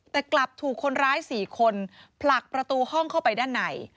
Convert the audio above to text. แต่กลับถูกคนร้าย๔คนผลักประตูห้องเข้าไปด้านใน